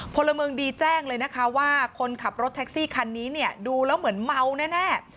พลเมืองดีแจ้งเลยนะคะว่าคนขับรถแท็กซี่คันนี้เนี่ยดูแล้วเหมือนเมาแน่